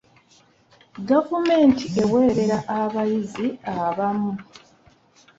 Gavumenti eweerera abayizi abamu.